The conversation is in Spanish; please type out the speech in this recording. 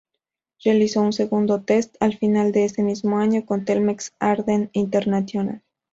Realizó un segundo test al final de ese mismo año con Telmex Arden International.